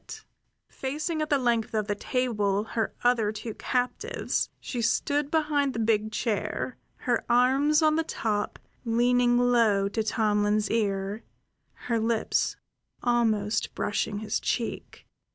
Then, facing at the length of the table her other two captives, she stood behind the big chair, her arms on the top, leaning low to Tomlin's ear, her lips almost brushing his cheek.